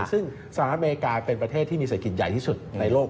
ซึ่งสหรัฐอเมริกาเป็นประเทศที่มีเศรษฐกิจใหญ่ที่สุดในโลก